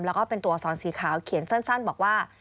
แล้วก็เป็นตัวสอนสีขาวเขียนสั้นบอกว่า